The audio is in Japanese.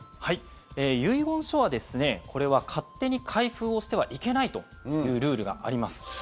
遺言書は、これは勝手に開封をしてはいけないというルールがあります。